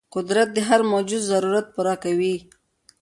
قدرت د هر موجود ضرورت پوره کوي.